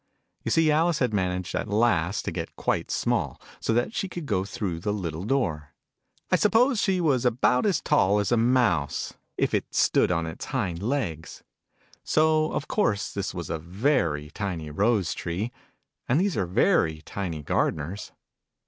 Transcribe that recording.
You see Alice had managed at last to get quite small, so that she could go through the little door. I suppose she was about as tall as a mouse, if it stood on its hind legs : so of course this was a very tiny rose tree : and these are very tiny gardeners.